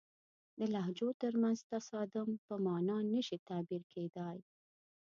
د لهجو ترمنځ تصادم په معنا نه شي تعبیر کېدای.